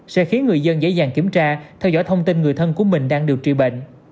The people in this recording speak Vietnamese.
sẽ khiến người dân dễ dàng kiểm tra theo dõi thông tin người thân của mình đang điều trị bệnh